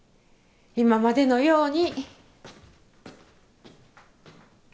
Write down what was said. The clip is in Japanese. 今までのように。